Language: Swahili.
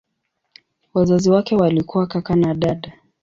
Wazazi wake walikuwa kaka na dada.